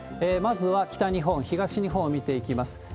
まずは北日本、東日本を見ていきます。